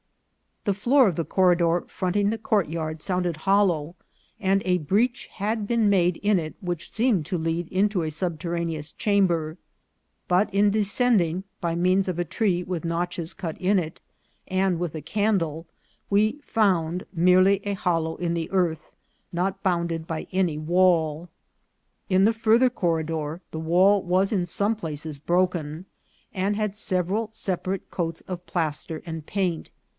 The floor of the corridor fronting the courtyard sounded hollow, and a breach had been made in it which seemed to lead into a subterraneous chamber ; but in descending, by means of a tree with notches cut in it, and with a candle, we found merely a hollow in the earth, not bounded by any wall. In the farther corridor the wall was in some places broken, and had several separate coats of piaster and paint.